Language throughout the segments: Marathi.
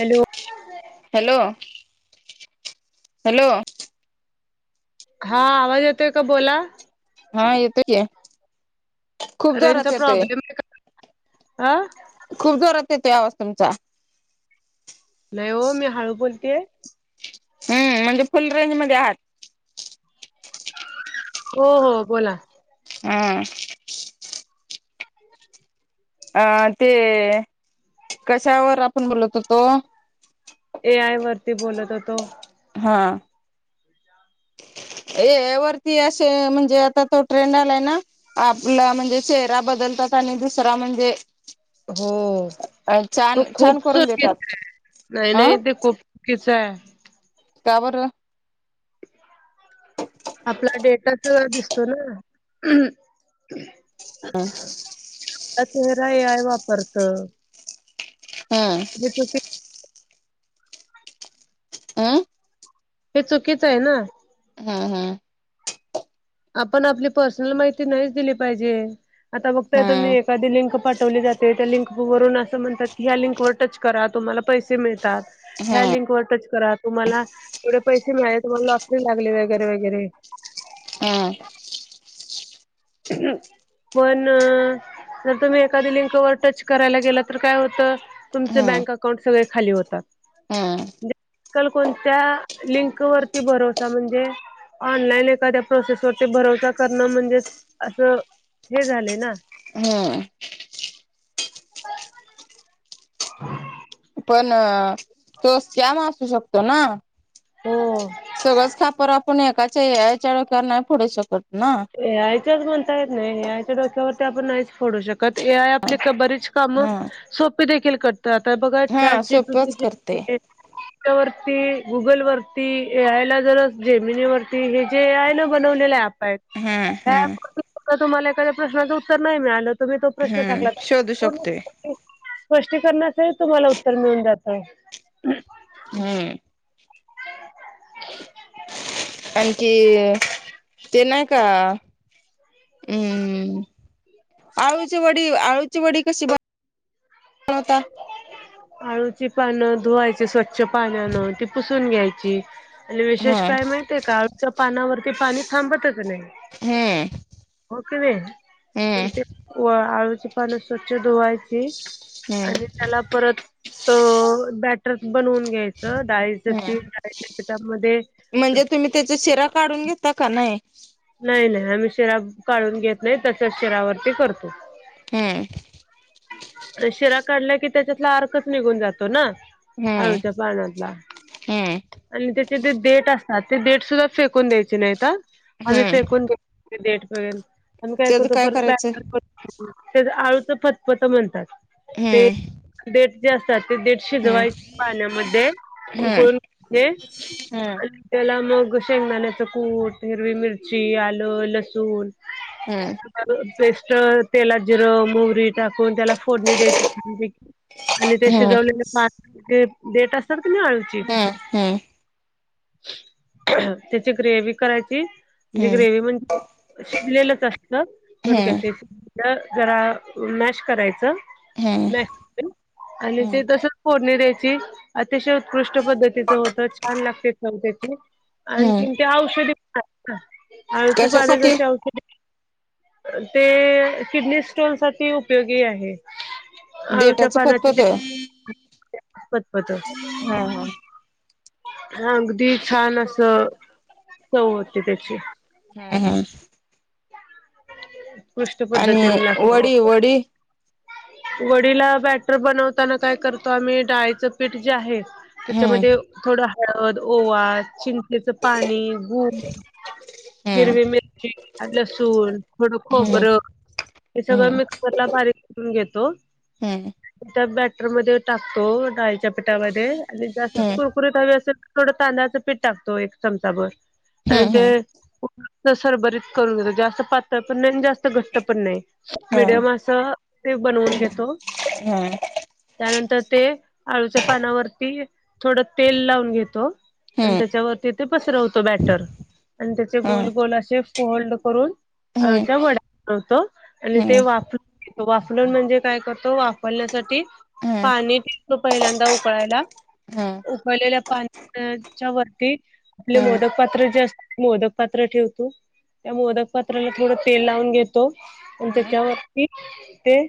हॅलो हॅलो हॅलो हा आवाज येतोय का बोला हा येतो क रेचा प्रॉब्लेम आहे का ह. खूप जोरात येतो या वस्तुंचा नाही हो मी हळू बोलतेय. हम्म म्हणजे फुल रेंज ममध्ये आहात. हो हो बोला. हम्. ह [inaudible] अ ते कशावर आपण बोलत होतो. ए आय वरती बोलत होतो. हा ए वरती असे म्हणजे आता तो ट्रेंड आलाय ना. आपला म्हणजे चेहरा बदलतात आणि दुसरा म्हणजे. हो छान तो छान खूप करून देतात नाही अ नाही ते खूप. किच आहे. त्यावरर. हो आपला डेटाच दिसतो ना. अ तेराय वापरत. हा. जे तु. आह हे चुकीचं आहे ना. हा हा आपण आपली पर्सनल माहिती नाहीच दिली पाहिजे. आता बघताय तुम्ही, हम्म एखादी लिंक पाठवली जाते, त्या लिंकवरून असं म्हणतात की, ह्या लिंकवर टच करा तुम्हाला पैसे मिळतात. ह्या हम्म लिंक वर टच करा तुम्हाला पुढे पैसे मिळाले, तुम्हाला लॉटरी लागले वगैे वगैरे. हा! पण.... जर तुम्ही एखादी लिंकवर टच करायला गेला तर काय होतं. तुमच बँक अकाउंट सगळे खाली होतात. ह. म्हणजे, कल कोणत्या लिंक वरती भरोसा म्हणजे, ऑनलाईन एखाद्या प्रोसेसवररती भरोसा करणं म्हणजे असं हे झाले ना! हम! [inaudible] पण तो सक्याम असु शकतो ना! हो सगळच खापर आपण पण एकाच्या या चचाळकार नाही फोडू शकत ना. ए आयच्याच म्हणता येत नाही ए आयच्या डोक्यावरती आपण नाहीच फोडू शकतो. ए आयआपली बरीच कामं ह सोपी देखील कर तर आता बघा चार हा जीबी. सोपच करते [unintelligible] वरती गुगल वरती, ए आयला जर जेमिनी वरती, हे जे आहे ना बनवलेले ऍप. हम्म हम्म ह तुम्हाला एखाद प्रश्चं उत्तर नाही मिळालं, तुम्ही तो प्रश्न हम्म टाकला. शोधू शकतोय [unintelligible] स्पष्टीकरणासहित तुम्हाला उत्तर मिळून जात. हम्म. आणखी ते नाही का! हम्म... आळूची वडी आळूची वडी कशी बनता. आळूची पानं धुवायची स्वच्छ पानानं, ती पुसून घ्यायची, आणि विशेष हा काय माहितीये का? काळच्या पानावरती पाणी थांबतच नाही. हम्म हो का नाही, हम्म पण ते व आळूची पानं स्वच्छ धुवायची आणि हम्म त्याला परत, त बॅटर बनवून घ्यायचं डाळी ज ती हम्म डाळीच्या पिटामध्ये, म्हणजे तुम्ही त्याचा शिरा काढून घेता का नाही? नाही नाही आम्ही शिराब काढून घेत नाही तसच शिरावरती करतो. हम. शिरा काढल्या की त्याच्यातला अर्कच निघून जातो ना. हम्म आळुच्या पानातला. हम्म आणि त्याचे तेे डेट असतात. ते डेट सुद्धा फेकून द्यायचे नाहीत हा. आम्ही हम्म फेकून देत नाही डेट वगैरे आम्ही काय त्याच करतो, परत करायचं बेटर बनव आळूचं फतपत म्हणतात. ते हम्म डेट जे असत. जे असतात ते देठ हम्म शिजवायचं पाण्यामध्ये हम्म उकळून घेत हम्म त्याला मग शेंगदाण्याचं कूट, हिरवी मिरची, आलं लसूण, हम्! पेस्ट तेलात जिरं मोहरी. टाकून त्याला फोडणी द्याची ते हम्म शिजवले पान ते डेट असतात क नाही आळूची. हम्म हम्म त्याची ग्रेवी करायची. म्हणजे हम्म ग्रेव म्हणजे शिजलेलंच असतं, थोडक्यात हम्म ते, जरा मॅश करायचं हम्म ना आणि ते हम्म तसच फोडणी द्यायची अतिशय उत्कृष्ट पद्धतीचं होतं छान लागते. हम्म आणखी औषधी पण असतात ना, आळूची पानं कशासाठी जशी औषध ते किडनी स्टोन साठी उपयोगी आहे. अळूच्या देटाच फतफतोय पानाचेपतपत [unintelligible] हा हा... हा अगदी छान अस चव होते त्याची.... हम हा.... उत्कृष्ट आणि पद्धतीने लागतात.... वडी वडी वडीला बॅटर बनवताना काय करतो आम्ही डाळीचं पीठ जे आहे.... त्याच्यामध्ये हम्म थोडं हळद ओवा चिंचेच पाणी तूप.... हम्म हिरवी मिरची लसूण.... थोडं हम्म खोबरं हे सगळं हम्म मिक्सरला बारीक करून घेतो.... हम्म त्या बॅटरमध्ये टाकतो डाळीच्या..... पीटामध्ये आणि जास्तच हम्म कुरकुरीत हवी असेल तर थोडं तांदळाचं पीठ टाकतो एक चमचाभर..... आणि हम्म ते सरभरीत करून घेतात जास्त पातळ पण नाही आणि जास्त घट्ट पण नाही.... हम्म मीडियम अस ते बनवून घेतो.... त्यानंतर ते आळूच्या पानावरती थोडं तेल लावून घेतो.... आणि हम्म हम्म हम्म त्याच्यावरती ते पसरवतो बॅटर आणि त्याचे गोल गोल असे फोल्ड करून.... हम्म हम्म हम्म अच्या वडा होतो आणि हम्म ते वापरून... वाफलण म्हणजे काय करतो वाफवण्यासाठी पाणी.... तो पहिल्यांदा उकळायला हम्म हम्म हम्म उकळलेल्या पाण्याच्या वरती.... आपले हम्म मोदक पात्र जे असत मोदक पात्र ठेवतो त्या मोदक..... पत्राला थोडं तेल लावून घेतो आणि त्याच्यावरती ते....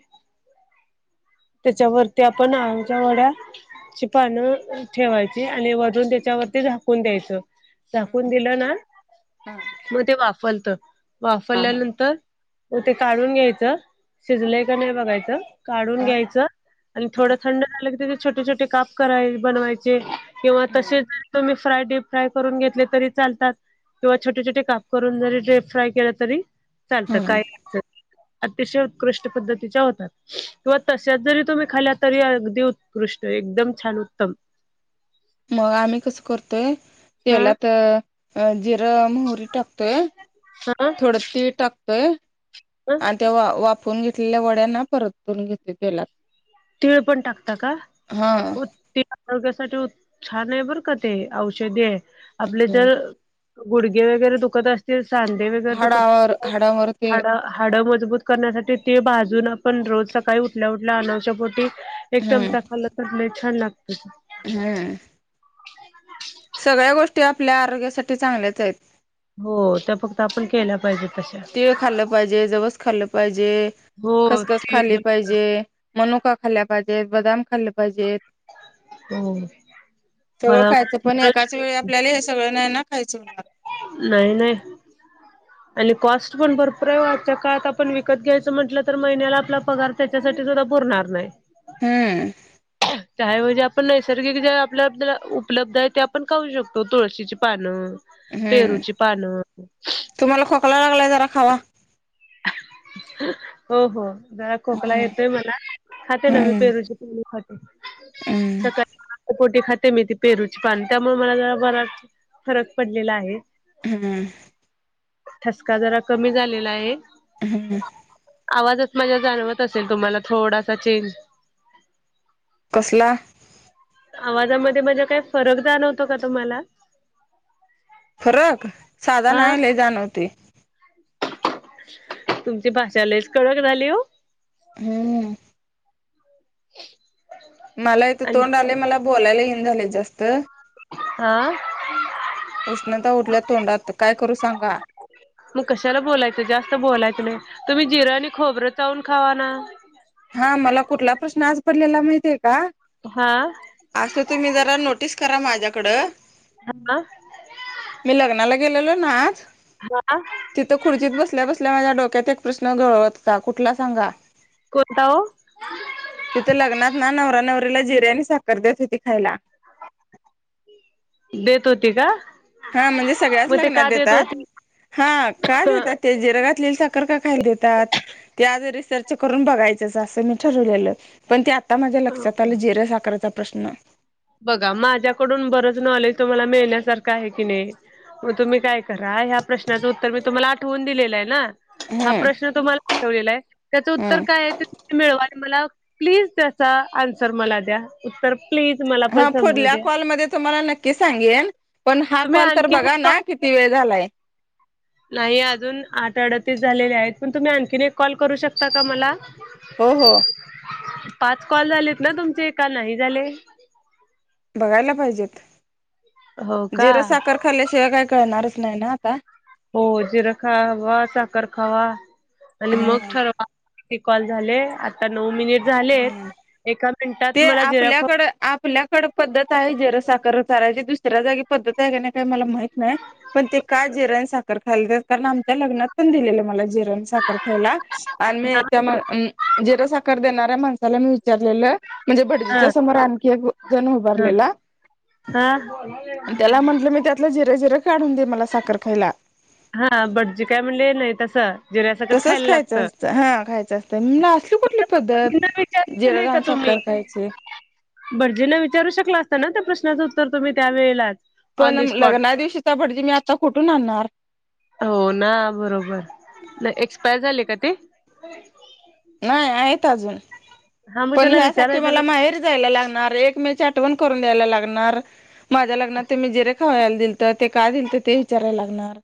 त्याच्यावरती आपण आमच्या वड्या.... शची पानं ठेवायची आणि वरून त्याच्यावरती झाकून द्यायचं.... झाकून दिलं ना... हा... मग ते वाफलत वाफरल्यानंतर..... हो ते काढून घ्यायचं शिजले का नाही बघायचं काढून घ्यायचं.... आणि थोडं थंड झालं की त छोटे छोटे काप करायचे बनवायचे किंवा हम्म हम्म हम्म तसेच.... तुम्ही फ्राय डीप फ्राय करून घेतले तरी चालतात... किंवा छोटे छोटे काप करून जरी फ्राय केलं तरी.... चालत हम्म काय अतिशय उत्कृष्ट पद्धतीच्या होतात किंवा.... जरी तुम्ही खाला तरी अगदी उत्कृष्ट एकदम छान उत्तम.... मग आम्ही कसं करतोय हा तेलात जिरं मोहरी.... टाकतोय हा थोड तीळ टाकतोय ह आणि ते वाफे... वाफवून घेतलेल्या वड्याना परतून घेत प तेलात.... तीळ पण टाकता का? हा आरोग्यासाठी छान आहे बर का ते औषधी आहे आपले जर.... गुडगे वगैरे दुखत असतील सांधे वगैरे दुखत हाडावर असतील हाडावर ते हाडा... हाडं मजबूत करण्यासाठी ते भाजून आपण रोज सकाळी उठल्या उठल्या अनुश्यापोटी.... एक हम्म चमचा खाल्ला तर छान लागतो... हम्म.... सगळ्या गोष्टी आपल्या आरोग्यासाठी चांगल्याच आहेत... हो तर फक्त आपण केल्या पाहिजे तशा.... तिळ खाल्ल पाहिजे जवस खाल्लं पाहिजे हो खसखस तीळ खाली पाहिजे.... मनुका खाल्ल्या पाहिजेत बदाम खाल्ले पाहिजेत.. हो सगळं खायचं पण बरोबर एकाच वेळी आपल्याला हे सगळं नाही ना खायचं होणार... नाही नाही.... आणि कॉस्ट पण भरपूर आहे आजच्या काळात आपण विकत घ्यायचं म्हटलं तर महिन्याला आपला पगार... त्याच्यासाठी सुद्धा पुरणार नाही.... हम्म.... चहा म्हणजे आपण नैसर्गिक जे आपल्याला उपलब्ध आहे ते आपण खाऊ शकतो तुळशीची... पानं हम्म पेरूची पानं तुम्हाला खोकला लागलाय जरा खावा. हो हो जरा खोकला हम्म येतोय मला. खाते ना मी हम्म पेरूची पान खाते. हम्म सकाळी पोटी खाते मी ती पेरूची पान त्यामुळे मला जरा बरासा फरक पडलेला आहे. हम्म. ठसका जरा कमी झालेला आहे. हम्म. आवाजात माझ्या जाणवत असेल तुम्हाला थोडासा चेंज. कसला? आवाजामध्ये माझ्या काय फरक जाणवतो का तुम्हाला? फरक साधा हा नाय लई जाणवतोय. तुमची भाषा लयच कडक झाली ओ. हम्म. [inaudible] मला इथं आणि तोंड आलयं मला बोलायला ईना झालयं जास्त. हा. उष्णता उठलिया तोंडात काय करू सांगा. मग कशाला बोलायचं जास्त बोलायच नाही तुम्ही जिरं आणि खोबरं चावून खावा ना. हा मला कुठला प्रश्न आज पडलेला माहितीये का? हा. असं तुम्ही जरा नोटीस करा माझ्याकडं. हा. मी लग्नाला गेलेलो ना आज हा तिथं खुर्चीत बसल्या बसल्या माझ्या डोक्यात एक प्रश्न घोळत होता कुठला सांगा? कोणता ओ? तिथं लग्नात ना नवरा नवरीला जिरे आणि साखर देत होती खायला. देत होती का? हा म्हणजे सगळ्याच मग ते लग्नात का देत देतात हा काय देतायेत. ते जिर घातलेली साखर का खायला देतात? ते आज रिसर्च करून बघायचंच असं मी ठरवलेलं. पण ते आता माझ्या लक्षात होती? आलं जिरे साखरचा प्रश्न. बघा माझ्याकडून बरच नॉलेज तुम्हाला मिळण्यासारखं आहे की नाही. मग तुम्ही काय करा ह्या प्रश्नाचं उत्तर मी तुम्हाला आठवून दिलेलं आहे ना. हा हम्म प्रश्न तुम्हाला आठवलेला आहे त्याचं उत्तर हम्म काय आहे ते मिळवा आणि मला प्लीज त्याचा आन्सर मला द्या उत्तर प्लीज मला पण हा समजू पुढल्या द्या. कॉलमध्ये तुम्हाला नक्की सांगेन पण हा तुम्ही कॉल तर आणखी बघा ना. किती वेळ झालाय. नाही अजून आठ अडतीस झालेले आहेत पण तुम्ही आणखीन एक कॉल करू शकता का मला? हो हो. पाच कॉल झालेत ना तुमचे का नाही झाले? बघायला पाहिजेत हो जिर का? साखर खाल्ल्याशिवाय काय कळणारच नाही ना आता. हो जिरं खावा साखर खावा आणि हा मग ठरवा. किती कॉल झाले आता नऊ मिनिट झाले एका मिनटात मला जिरा खोब कड आपल्याकडं पद्धत आहे जिर साखर चारायची दुसऱ्या जागी पद्धत आहे का नाही काय मला माहित नाही. पण ते का जिर आण साखर खायला देत्यात कारण, आमच्या लग्नात पण दिलेलं मला जिर आण साखर. खायला आणि मी खोबरा त्या माण अ जिर साखर देणाऱ्या माणसाला मी वि चारलेलं म्हणजे भटजीच्या हा समोर आणखी एक जण हा उभारलेला हा आणि त्याला म्हंटलं मी त्यातलं जिर जिर काढून दे मला साखर खायला हा भटजी काय म्हणले नाही तसं. जिऱ्यासकट तसंच खायला खायचं लागतं. असतं हा खायचं असतं असली कुठली पद्धत भटजींना विचारायचं जिरा घाऊन साखर खायचे भटजीना विचारू शकला असता ना त्या प्रश्नाचं उत्तर तुम्ही त्या वेळेलाच ऑन पण दी स्पॉट लग्ना दिवशीचा भटजी मी आता कुठून आणणार हो ना बरोबर नाही एक्सपायर झाले का ते [unintelligible] नाही आहेत अजून हा मग पण त्याला ह्यासाठी विचारायचं मला ना माहेर जायला लागणार एक मे आठवण करून द्यायला लागणार माझ्या लग्न त्ी जिरे खायला तर ते का दिल तर ते विचारायला लागणार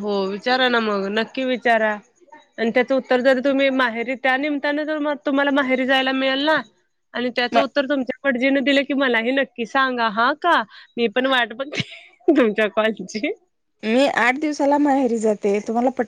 हो विचारा ना मग नक्की विचारा आणि त्याचं उत्तर जर तुम्ही माहेरी त्यानिमित्तानें तुम्हाला माहेरी जायला मिळेल ना आणि म त्याचं उत्तर तुमच्या भटजीने दिलं की मलाही नक्की सांगा हा का मी पण वाट बघ तुमच्या कळची क मी आठ दिवसाला माहेरी जाते तुम्हाला पट